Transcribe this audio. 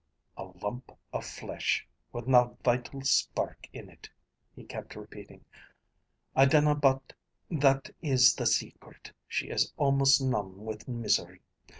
"'A lump of flesh with na vital spark in it,'" he kept repeating. "I dinna but that is the secret. She is almost numb with misery.